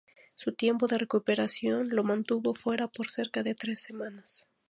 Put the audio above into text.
Su tiempo de recuperación lo mantuvo fuera por cerca de tres semanas.